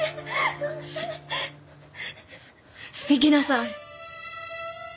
行きなさい！